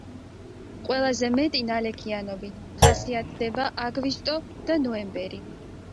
ყველაზე მეტი ნალექიანობით ხასიათდება აგვისტო და ნოემბერი.